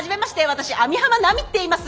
私網浜奈美っていいます。